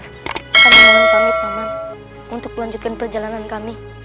kami memanjakan paman untuk melanjutkan perjalanan kami